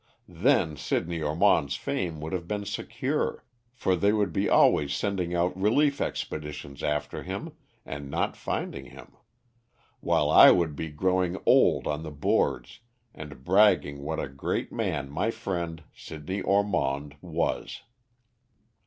Then Sidney Ormond's fame would have been secure, for they would be always sending out relief expeditions after him and not finding him, while I would be growing old on the boards and bragging what a great man my friend, Sidney Ormond, was."